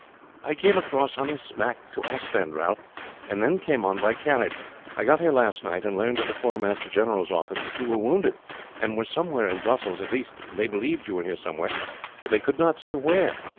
"I came across in a smack to Ostend, Ralph, and then came on by carriage. I got here last night, and learned at the quartermaster general's office that you were wounded and were somewhere in Brussels, at least they believed you were here somewhere, but they could not say where.